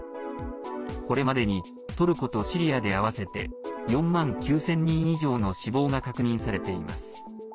これまでにトルコとシリアで合わせて４万９０００人以上の死亡が確認されています。